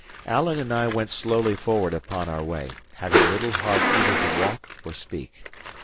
Alan and I went slowly forward upon our way, having little heart either to walk or speak.